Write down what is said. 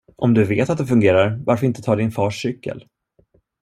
Om du vet att det fungerar, varför inte ta din fars cykel?